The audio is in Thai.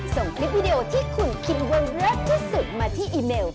ส่งคลิปวิดีโอที่คุณคิดว่าเลิศที่สุดมาที่อีเมล